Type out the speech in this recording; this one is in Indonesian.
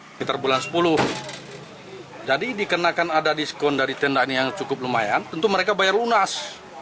sekitar bulan sepuluh jadi dikenakan ada diskon dari tenda ini yang cukup lumayan tentu mereka bayar lunas